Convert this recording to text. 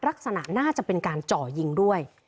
ลักษณะน่าจะเป็นการเจาะยิงด้วย